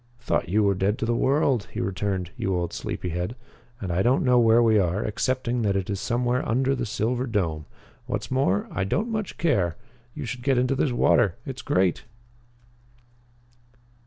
"Thought you were dead to the world," he returned, "you old sleepy head. And I don't know where we are, excepting that it is somewhere under the silver dome. What's more, I don't much care. You should get into this water. It's great!"